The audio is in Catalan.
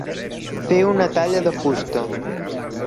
Fer una talla de fusta.